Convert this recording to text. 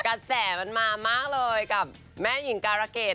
กระแสมันมามากเลยกับแม่หญิงการะเกด